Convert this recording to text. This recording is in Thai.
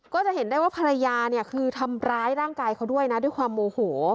ก็จะเห็นได้ว่าภรรยาเนี่ยคือทำร้ายร่างกายเขาด้วยนะด้วยความโมโห